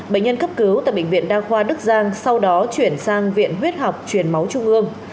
bệnh nhân cấp cứu tại bệnh viện đa khoa đức giang sau đó chuyển sang viện huyết học truyền máu trung ương